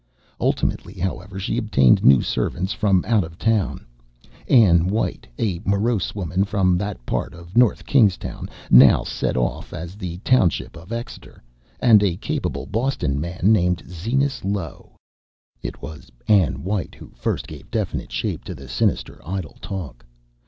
Ultimately, however, she obtained new servants from out of town; Ann White, a morose woman from that part of North Kingstown now set off as the township of Exeter, and a capable Boston man named Zenas Low. It was Ann White who first gave definite shape to the sinister idle talk.